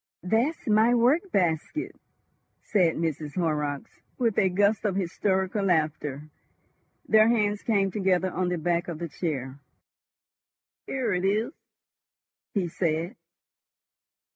"That's my work basket," said Mrs. Horrocks, with a gust of hysterical laughter. Their hands came together on the back of the chair. "Here it is!" he said.